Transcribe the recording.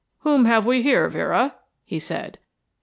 "Whom have we here, Vera?" he said.